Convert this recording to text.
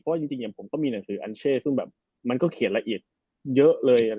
จริงอย่างผมก็มีหนังสืออัญเช่ซึ่งแบบมันก็เขียนละเอียดเยอะเลย